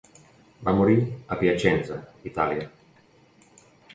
Va morir a Piacenza, Itàlia.